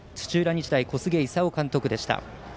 日大、小菅勲監督でした。